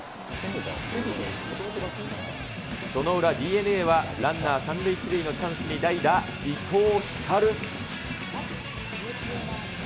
その裏、ＤｅＮＡはランナー３塁１塁のチャンスに代打、伊藤光。